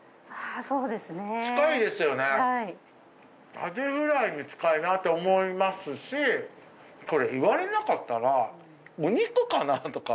アジフライに近いなと思いますしこれ言われなかったらお肉かなとか。